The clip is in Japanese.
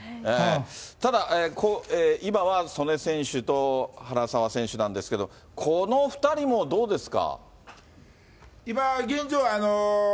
ただ、今は素根選手と原沢選手なんですけど、この２人もどうですか？